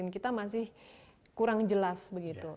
kita masih kurang jelas begitu